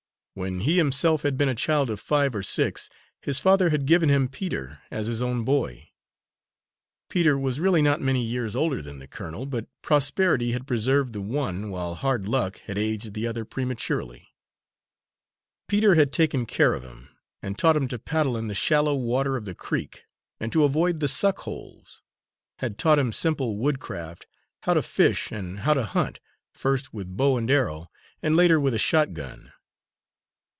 When he himself had been a child of five or six, his father had given him Peter as his own boy. Peter was really not many years older than the colonel, but prosperity had preserved the one, while hard luck had aged the other prematurely. Peter had taken care of him, and taught him to paddle in the shallow water of the creek and to avoid the suck holes; had taught him simple woodcraft, how to fish, and how to hunt, first with bow and arrow, and later with a shotgun.